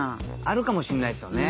あるかもしれないっすよね。